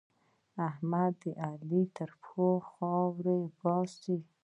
احمد د علي له پښو خاورې باسي.